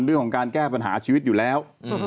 เรื่องของการแก้ปัญหาชีวิตอยู่แล้ว